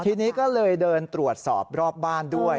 ทีนี้ก็เลยเดินตรวจสอบรอบบ้านด้วย